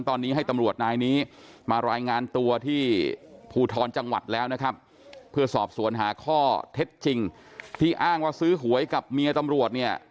ตอนนี้ให้ตำรวจนายนี้มารายงานตัวที่ภูทรจังหวัดแล้วนะครับเพื่อสอบสวนหาข้อเท็จจริงที่อ้างว่าซื้อหวยกับเมียตำรวจเนี่ย